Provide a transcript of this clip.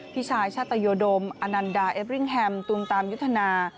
พี่ชายชาตยโดมอนันดาเอฟริ่งแฮมตุมตามยุทธนา